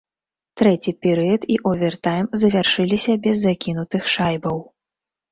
Трэці перыяд і овертайм завяршыліся без закінутых шайбаў.